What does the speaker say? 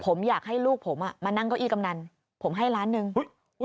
ผมอยากให้ลูกผมอ่ะมานั่งเก้าอี้กำนันผมให้ล้านหนึ่งอุ้ย